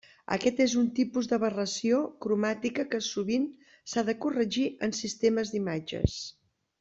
Aquest és un tipus d'aberració cromàtica que sovint s'ha de corregir en sistemes d'imatges.